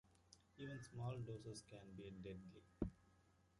Even small doses can be deadly.